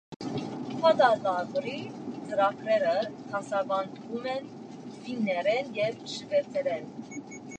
Բակալավրի ծրագրերը դասավանդվում են ֆիններեն և շվեդերեն։